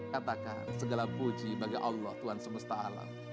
katakan segala puji bagi allah tuhan semesta alam